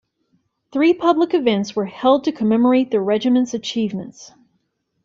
Three public events were held to commemorate the regiment's achievements.